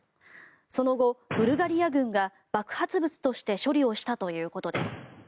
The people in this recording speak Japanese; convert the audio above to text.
その後、ブルガリア軍が爆発物として処理をしたということです。